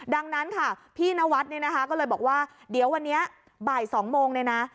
ดังนั้นค่ะพี่นวัดเนี่ยนะคะก็เลยบอกว่าเดี๋ยววันนี้บ่าย๒โมงเนี่ยนะ